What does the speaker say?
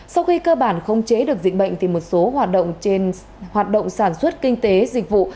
sau khi cơ bản không chế được dịch bệnh một số hoạt động sản xuất kinh tế dịch vụ